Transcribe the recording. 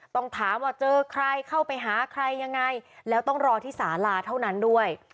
ต้องถามว่าเจอใครเข้าไปหาใครยังไงแล้วต้องรอที่สาลาเท่านั้นด้วย